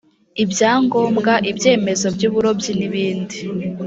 ibyangobwa ibyemezo by’uburobyi n’ibindi